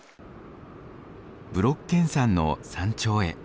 ブロッケン山の山頂へ。